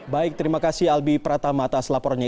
baik terima kasih albi pratama atas laporannya